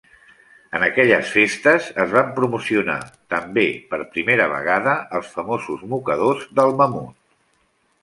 En aquelles festes es van promocionar, també, per primera vegada, els famosos mocadors del mamut.